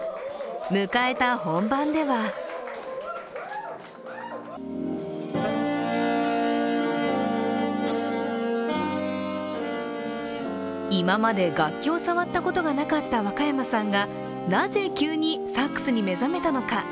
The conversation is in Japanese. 迎えた本番では今まで楽器を触ったことがなかった和歌山さんがなぜ急にサックスに目覚めたのか。